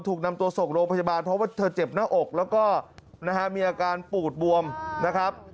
ถูกนำตัวส่งโรงพยาบาลเพราะว่าเธอเจ็บหน้าอกแล้วก็นะฮะมีอาการปูดบวมนะครับ